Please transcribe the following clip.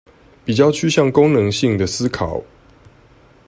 比較趨向功能性的思考